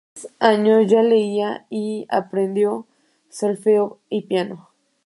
A los tres años ya leía y aprendió solfeo y piano.